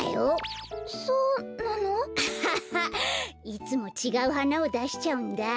いつもちがうはなをだしちゃうんだ。